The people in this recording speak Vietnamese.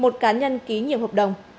một cá nhân ký nhiệm hợp đồng